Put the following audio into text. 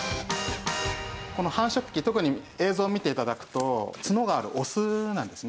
この繁殖期特に映像を見て頂くと角があるオスなんですね。